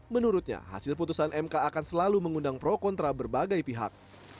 menurutnya hasil putusan mk akan selalu mengundang pro kontra berbagai pihak